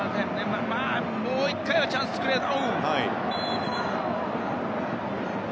もう１回はチャンス作れるかな。